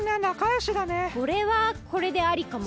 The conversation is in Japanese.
これはこれでありかも。